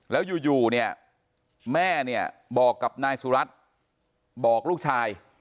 แล้วอยู่เนี่ยแม่เนี่ยบอกกับนายสุรัตน์บอกลูกชาย